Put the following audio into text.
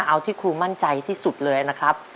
เอาที่ครูมั่นใจที่สุดเลยนะครับ